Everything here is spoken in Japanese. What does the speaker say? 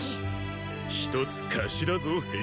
一つ貸しだぞ壁。